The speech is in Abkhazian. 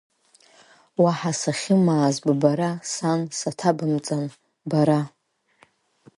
Уаҳа сахьзымааз ббара, сан, саҭабымҵан бара!